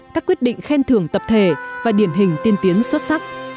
các quyết định khen thưởng tập thể và điển hình tiên tiến xuất sắc